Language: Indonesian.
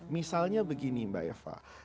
misalnya begini mbak eva